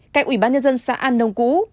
cạnh ủy ban nhân dân xã an nông cũ